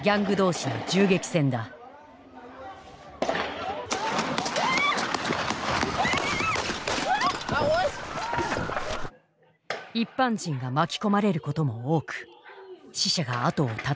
一般人が巻き込まれることも多く死者が後を絶たない。